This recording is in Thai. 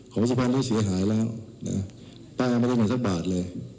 ของสุพันธ์หลังสีหายแล้วต้านออกมาเดี๋ยวหนึ่งสักบาทเลย